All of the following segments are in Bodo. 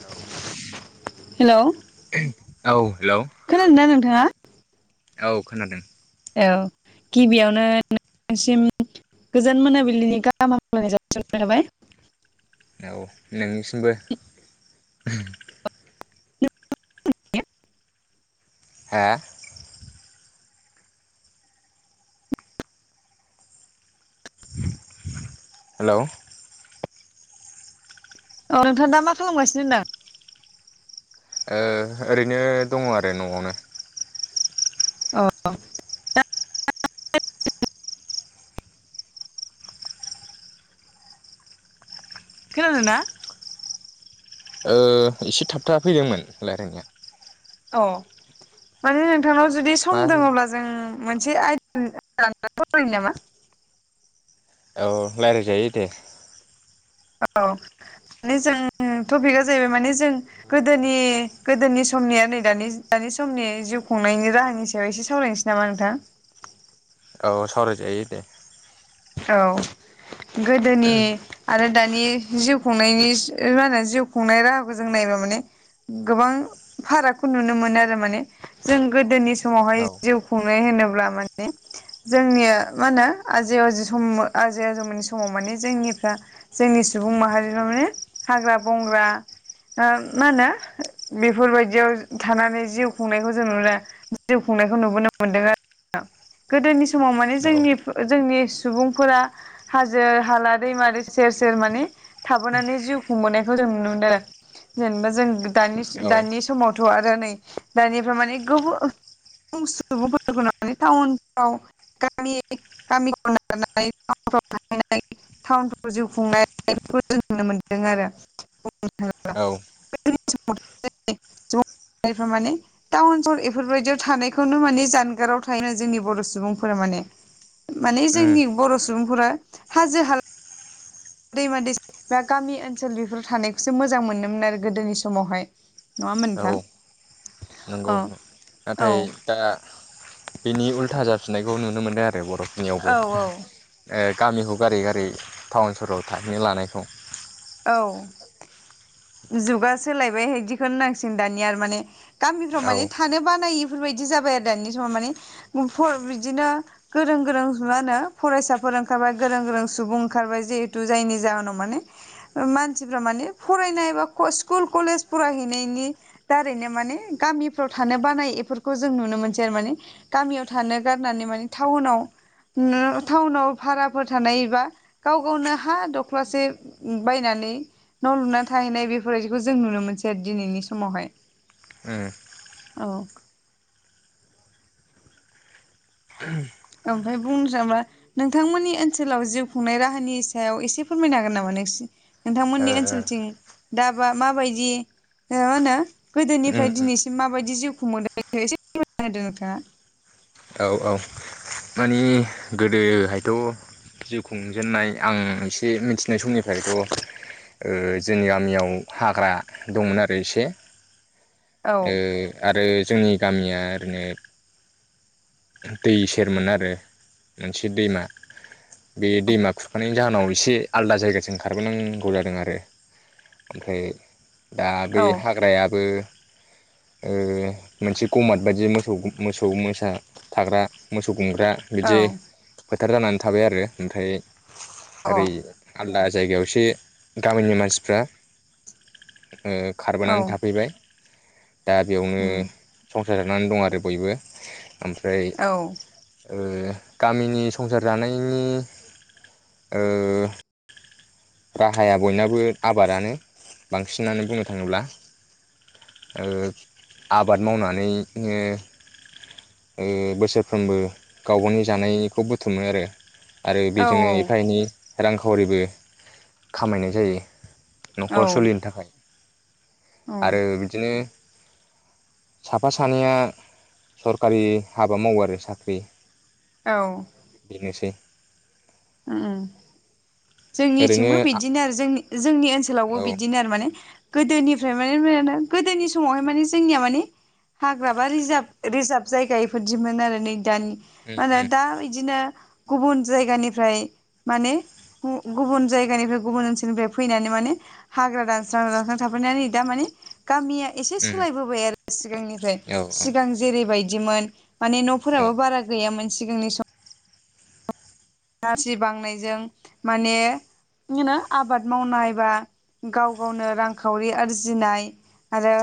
औ हेल' औ हेल' हा औ खोनादों औ गिबियावनो नोंसिम गोजोन मोनाबिलिनि गाहाम हामलायनाय जासिहरनाय थाबाय। औ [inaudible] [unintelligible] हा हेल' औ नोंथां दा मा खालामगासिनो होनदों? ओ ओरैनो दङ आरो न'आवनो औ [unintelligible] खोनादों ना? ओ एसे थाबथा फैदोंमोन रायलायनाया अ माने नोंथांनाव जुदि मा सम दोङब्ला जों मोनसे आयदानि बागै सावरायनि नामा? औ रायलायजायो दे औ माने जों टपिकआ जाहैबाय माने जों गोदोनि गोदोनि समनि आरो नै दानि समनि जिउ खुंनायनि राहानि सायाव एसे सावरायनोसै नामा नोंथां। औ सावराय जायो दे। औ गोदोनि आरो दानि जिउ खुंनायनि मा होनो जिउ खुंनाय राहाखौ जों नायबा माने गोबां फारागखौ नुनो मोनो आरो माने जों गोदोनि औ समावहाय जिउ खुं खुंनाय होनोब्ला माने जोंनिया मा होनो आजै आजौ आजै आजौमोननि समाव माने जोंनिफ्रा जोंनि सुबुं माहारिफ्रा माने हाग्रा बंग्रा ओ मा होनो बेफोर बायदियाव थानानै जिउ खुंनायखौ जों नुबोदों जिउ खुंनायखौ नुबोनो मोनदों आरो गोदोनि समाव माने औ जोंनि जोंनि सुबुंफोरा हाजो हाला दैमारि सेर सेर माने थाबोनानै जिउ खुंबोनायखौ जों नुनो मोनदों आरो जेनेबा जों दा औ दानि समावथ' आरो नै दानिफ्राय माने सुबुंफोरखौ मे टाउनफ्रा गामि गामि [unintelligible] टावन औ सहर इफोरबादिआव थानायखौ नो माने जानगार आव थानाय‌ जोंनि बर'सुबुं फोरा माने माने उम जोंनि बर' सुबुंफोरा हाजो हाला दैमा दैसा बा गामि ओनसोल बेफोराव थानायखौसो मोजां मोनोमोन आरो गोदोनि समावहाय नङा होनबा औ नंगौ नोंथां अ। नंगौ नाथाय दा बेनि उल्था जाफिननायखौ नुनो मोनदों आरो बर' फोरनियावबो। औ औ ओ गामिखौ गारै गारै टाउन सहराव थाहैनो लानायखौ। औ। जुगा सोलायबाय हाय दिखोनो होननांसिगोन दानिया आरो माने गामिफ्राव औ माने थानो बानायो बेफोर बायदि जाबाय आरो दानि समाव माने [unintelligible] बिदिनो गोरों गोरों मा होनो फरायसाफोर ओंखारबाय गोरों गोरों सुबुं ओंखारबाय जिहेतु जायनि जाहोनाव माने मानसिफ्रा माने फरानाय स्कुल कलेज फरायहैनायनि दारैनो माने गामिफ्राव थानो बानाय इफोरखौ जों नुनो मोनसै आरो माने गामियाव थानो गारनानै माने थाउनाव [unintelligible] थाउनाव भाराफोर थानाय एबा गाव गावनो हा दख्लासे उम बायनानै न' लुना थाहैनाय बेफोर बायदिखौ जों नुनो मोनसै आरो दिनैनि समावहाय उम औ। ओमफ्राय बुंनो [unintelligible] नोंथांमोननि ओनसोलाव जिउ खुंनाय राहानि सायाव एसे फोरमायनो हागोन नामा नोंसि ओ नोंथांमोननि ओ ओनसोलथिं दाबा माबायदि ओ मा होनो उम गोदोनिफ्राय उम दिनैसिम माबायदि जिउ खुंबोदो [unintelligible] औ औ माने गोदोहायथ' जिउ खुंजेननाय आं एसे मिथिनाय समनिफ्रायथ' ओ जोंनि गामियाव हाग्रा दंमोन आरो एसे। औ ओ आरो जोंनि गामिया ओरैनो दै सेरमोन आरो मोनसे दैमा बे दैमा खुरखानायनि जाहोनाव एसे आलदा जायगासिम खारबोनांगौ जादों आरो ओमफ्राय दा बे औ हाग्रायाबो ओ मोनसे गमाद बायदि मोसौ मोसौ मोसा थाग्रा मोसौ गुमग्रा बिदि औ फोथार जानानै थाबाय आरो ओमफ्राय ओरै अ आलदा जायगायाव एसे गामिनि मानसिफ्रा ओ औ खारबोनानै थाफैबाय। दा बेयावनो उम सं [unintelligible] नानै दं आरो बयबो। ओमफ्राय औ ओ गामिनि संसार जानायनि ओ राहाया बयनाबो आबादानो बांसिनानो बुंनो थाङोब्ला ओ आबाद मावनानै नो ओ बोसोरफ्रोमबो गाव गावनि जानायखौ बुथुमो आरो। आरो औ बेजोंनो एफा एनै रांखावरिबो खामायनाय जायो औ न'खर सोलिनो थाखाय। औ आरो बिदिनो साफा सानैया सरकारि हाबा मावो आरो साख्रि औ बेनोसै। उम ओरैनो जोंनिथिंबो बिदिनो आरो जोंनि जोंनि ओनसोलावबो औ बिदिनो आरो माने गोदोनिफ्राय माने [unintelligible] गोदोनि समावहाय माने जोंनिया माने हाग्रा बा रिजार्भ रिजार्भ जायगा इफोरदिमोन आरो नै दानि उम मा होनो उम दा बिदिनो गुबुन जायगानि ओमफ्राय माने गुबुन गुबुन जायगानिफ्राय गुबुन ओनसोलनिफ्राय फैनानै माने हाग्रा दानस्रां दानस्रां थाफैनानै दा माने गामिया एसे उम सोलायबोबाय आरो सिगांनिफ्राय औ सिगां जेरैबाय [unintelligible] माने औ न'फोराबो बारा गैयामोन सिगांनि सम [unintelligible] बांनायजों माने [unintelligible] आबाद मावनाय बा गाव गावनो रांखावरि आरजिनाय आरो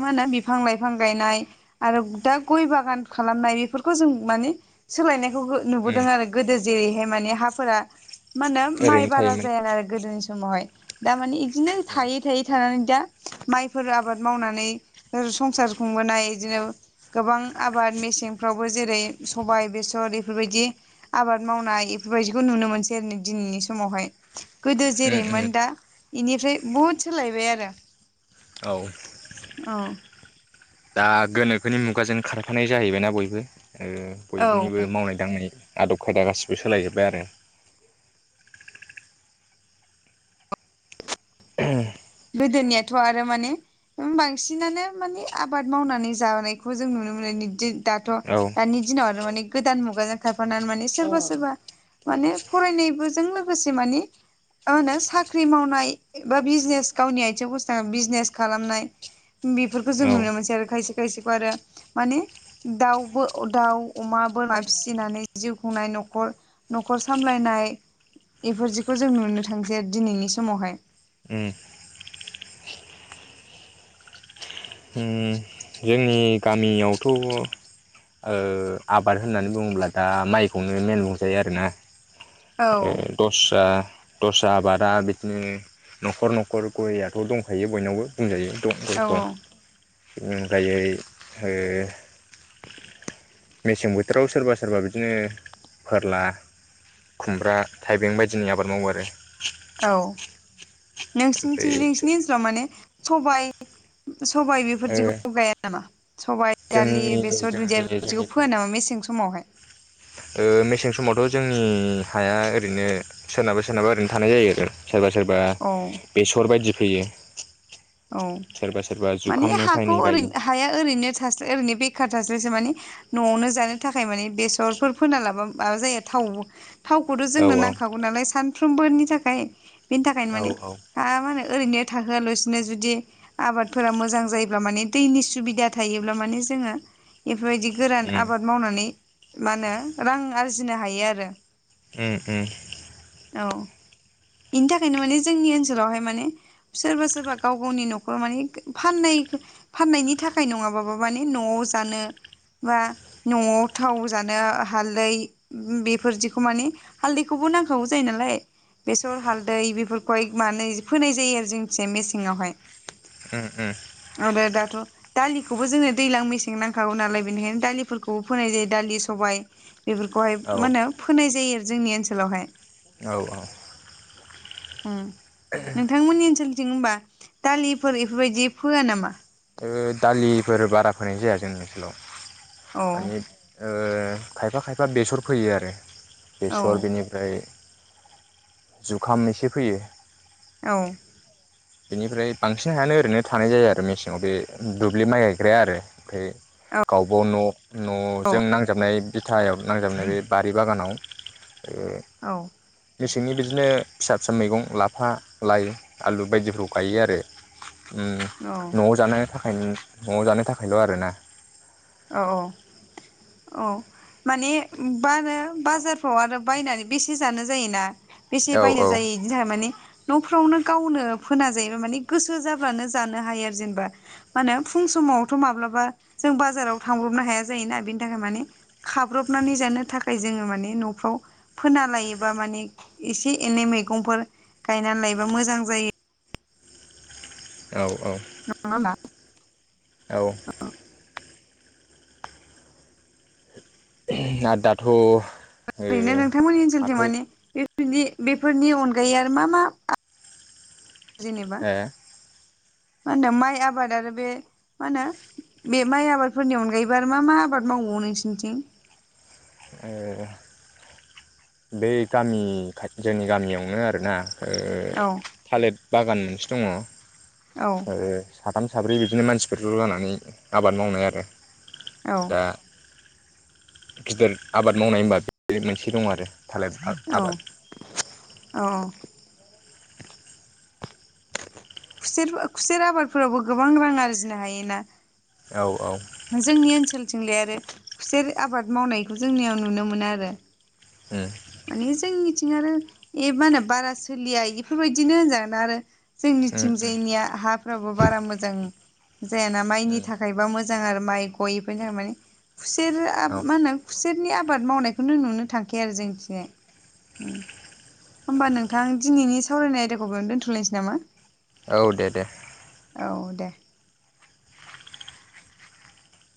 माहोनो बिफां लाइफां गायनाय आरो दा गय बागान खालामनाय बेफोरखौ जों माने सोलायनाय नुबो उम नुबोदों आरो गोदो जेरैहाय माने हाफोरा मा होनो माइ ओरैनो बारा थायोमोन जाया आरो गोदोनि [unintelligible] [unintelligible] दा मानिे बिदिनो औ थायै थायै थानानै दा माइफोर आबाद मावनानै संसार खुंबोनाय इदिनो गोबां आबाद मेसेंफ्रावबो जेरै सबाइ बेसर बिरबायदि आबाद मावनाय इफोरबायदिखौ नुनो मोनसै आरो नै दिनैनि समावहाय गोदो उम उम जेरैमोन दा इनिफ्राय बहुद सोलायबाय आरो औ औ दा गोनोखोनि मुगाजों खारफानाय जाहैबायना बयबो ओ औ बयनिबो मावनाय दांनाय आदब खायदा गाससिबो सोलायजोब्बाय आरो [unintelligible] गोदोनियाथ' आरो माने ओम बांसिनानो माने आबाद मावनानै जानायखौ जों नुनो मोनो [unintelligible] दाथ' औ दानि दिनाव आरो माने गोदान मुगाजों खारफानानै माने सोरबा सोरबा माने फरायनायबोजों लोगोसे माने म होनो साख्रि मावनाय बा बिजेनेस गावनि आथिङाव गसंना बिजेनेस खालामनाय बेफोरखौ जों औ नुनो मोनसै आरो खायसे खायसेखौ आरो माने दाउबो दाउ अमा बोरमा फिसिनानै जिउ खुंनाय न'खर न'खर सामलायनाय इफोर जिखौ जों नुनो थांसै आरो दिनैनि समावहाय उम उम जोंनि गामियावथ' ओ आबाद होननानै बुङोब्ला दा माइखौनो मेन बुंजायो आरोना औ ए दस्रा दस्रा आबादा बिदिनो न'खर न'खर गयथ' दंखायो बयनावबो बुंजायो द औ मैगं ओमफ्राय ओ मेसें बोथोराव सोरबा सोरबा बिदिनो फोरला खुमब्रा थाइबें बायदिनि आबाद मावो आरो औ ओमफ्राय नोसिनिथिं नोंसिनि ओनसोलाव मोने सबाइ सबायाइ ओ बेफोरदिखौ गाया नामा सबायाइ दालि जोंनि बेसर दुदिया जोंनि जोंनि बेदिखौ फोयो नामा मेसें समाव ओ मेसें समावथ' जोंनि हाया ओरैनो सोरनाबा सोरनाबा ओरैनो थानाय जायो आरो। सोरबा-सोरबा औ बेसर बायदि फोयो। औ माने एफा हाखौ एनै ओरै गायो हाया ओरैनो थास्लाय ओरैनो बेखार थास्लायस्लाय माने न'वावनो जानो थाखाय माने बेसरफोर फोना लाबा माबा जायो थाव। थावखौथ' जोंनो औ नांखागौ नालाय सान फ्रोमबोनि थाखाय। बेनि थाखायनो औ माने औ हा मा होनो ओरैनो थाहोआ लसि नो जुदि आबादफोरा मोजां जायोब्ला माने दैनि सुबिदा थायोब्ला माने जोङो एफ फोरबायदि गोरान उम आबाद मावनानै मा होनो रां आरजिनो हायो आरो। उम-उम। औ। बेनि थाखायनो माने जोंनि ओनसोलावहाय माने सोरबा-सोरबा गाव गावनि न'खराव माने फाननाय फाननायनि थाखाय नङाबाबो माने न'आव जानो बा न'आव थाव जानो हालदै बेफोरदिखौ माने हालदैखौबो नांखागौ जायो नालाय बेसर हालदै बेफोरखौहाय माने फोनाय जायो आरो जोंनिथिं मेसे सिङावहाय। उम उम आरो दाथ' दालिखौबो जोङो दैज्लां मेसें नांखागौ नालाय बेनिखायनो दालिफोरखौबो फोनाय जायो दालि सबाय बेफोरखौहाय औ मा होनो फोनाय जायो आरो। जोंनि ओनसोलावहाय। औ-औ। उम नोंथांमोननि ओनसोलनि थिं होमबा दालिफोर एफोरबायदि फोया नामा? ओ दालिफोर बारा फोनाय जाया जोंनि ओनसोलाव। औ माने ओ खायफा-खायफा बेसर फोयो आरो। औ बेसर बेनिफ्राय जुखाम एसे फोयो। औ बेनिफ्राय बांसिन हायानो ओरैनो थानाय जायो आरो मेसें आव बे दुब्लि माइ गायग्राया आरो ओमफाय गावबागाव न' न'जों नांजाबनाय बिथायाव नांजाबनाय बे बारि बागानाव औ। [unintelligible] बिदिनो फिसा फिसा मैगं लाफा, लाइ, आलु बायदिखौ गायो आरो ओम औ [unintelligible] न'आव जानो थाखायल' आरोना। औ औ औ माने बानो बाजारफ्राव आरो बायनानै बेसे जानो जायोना। बेसे औ बायना जायो इदिहोनना माने न'फ्रावनो गावनो फोना जायोबा माने गोसो जाब्लानो जानो हायो आरो जेनेबा मानो फुं समावथ' माब्लाबा जों बाजाराव थांब्रबनो हाया जायोना बिनि थाखाय माने खाब्रबनानै जानो थाखाय जोङो माने न'फ्राव फोना लायोबा माने एसे एनै मैगंफोर गायनानै लायोबा मोजां जायो। औ औ। नङा होमबा औ। आरो दाथ' ओरैनो नोंथांमोननि ओनसोलथिं हाथाय माने बिदि बेफोरनि अनगायै आरो मा मा जेनेबा मा होनदों माइ आबाद आरो बे मा होनो बे माइ आबादफोरनि अनगायैबो आरो मा मा आबाद मावबावो नोंसोरनिथिं? ओ बे गामि खाथि जोंनि गामियावनो आरोना ओ औ थालिर बागान मोनसे दङ' ओ औ [unintelligible] साथाम साब्रै बिदिनो मानसिफोरफोर ज' जानानै आबाद मावनाय आरो औ दा गिदिर आबाद मावनाय होनबा बे मोनसे दं आरो थालिर औ आबाद औ औ। खुसेर खुसेर आबादफोरावबो गोबां रां आरजिनो हायोना। औ औ। जोंनि ओनसोलथिंलाय आरो खुसेर आबाद मावनायखौ जोंनियाव नुनो मोना आरो होम मानि जोंनिथिं आरो ए मा होनो बारा सोलिया इफोरबायदिनो होनजागोन आरो जोंनि उम उम थिंजायनिया हाफ्राबो बारा मोजां जायाना माइनि उम थाखायबा मो जां आरो माइ गय इफोरनि थाखाय माने खुसेरा औ मा होनो? खुसेरनि आबाद मावनायखौनो नुनो थांखाया आरो जोंथिं। [unintelligible] होमबा नोंथां दिनैनि सावरायनाय आयदाखौ बेयावनो दोन्थ'लायसै नामा? औ दे दे। औ दे।